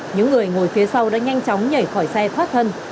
những người ngồi phía sau đã nhanh chóng nhảy khỏi xe thoát thân